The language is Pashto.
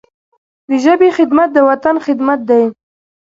د ژبي خدمت، د وطن خدمت دی.